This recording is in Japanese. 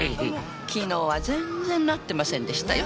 昨日は全然なってませんでしたよ。